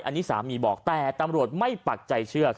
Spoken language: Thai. อันนี้สามีบอกแต่ตำรวจไม่ปักใจเชื่อ